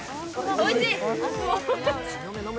おいしい。